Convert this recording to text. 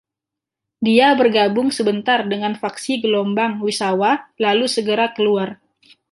Dia bergabung sebentar dengan faksi "Gelombang" Misawa, lalu segera keluar.